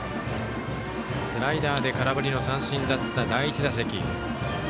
スライダーで空振りの三振だった第１打席。